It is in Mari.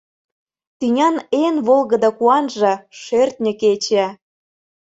Тӱнян эн волгыдо куанже — шӧртньӧ кече.